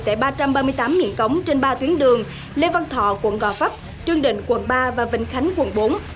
tại ba trăm ba mươi tám nghị cống trên ba tuyến đường lê văn thọ quận gò vấp trương định quận ba và vĩnh khánh quận bốn